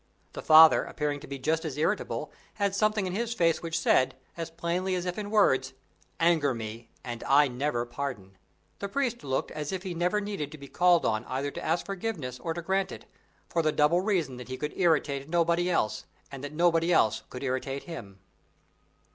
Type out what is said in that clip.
The father, appearing to be just as irritable, had something in his face which said, as plainly as if in words, "Anger me, and I never pardon." The priest looked as if he need never be called on either to ask forgiveness or to grant it, for the double reason that he could irritate nobody else, and that nobody else could irritate him.